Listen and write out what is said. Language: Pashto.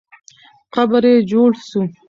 قبر یې جوړ سو.